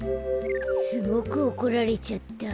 すごくおこられちゃった。